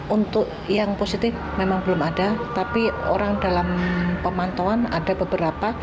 untuk yang positif memang belum ada tapi orang dalam pemantauan ada beberapa